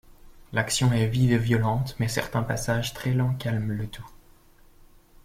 L'action est vive et violente mais certains passages très lents calment le tout.